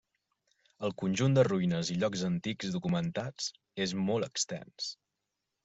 El conjunt de ruïnes i llocs antics documentats és molt extens.